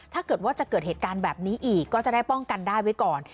ถ้าเกิดว่าจะเกิดเหตุการณ์แบบนี้อีกก็จะได้ป้องกันได้ไว้ก่อน